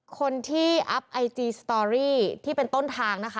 คนที่อัพไอจีสตอรี่ที่เป็นต้นทางนะคะ